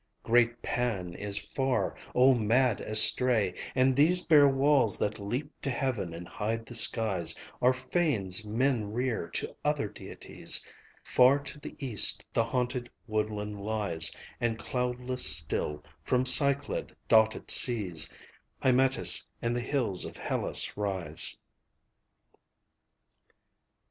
Great Pan is far, O mad estray, and these Bare walls that leap to heaven and hide the skies Are fanes men rear to other deities; Far to the east the haunted woodland lies, And cloudless still, from cyclad dotted seas, Hymettus and the hills of Hellas rise.